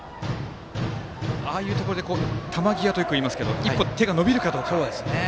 ああいうところで球際とよく言いますが１歩、手が伸びるかどうか。